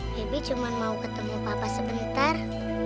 habibie cuma mau ketemu papa sebentar